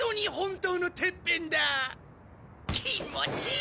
気持ちいい！